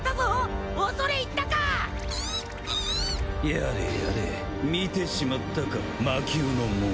やれやれ見てしまったか魔宮の門を。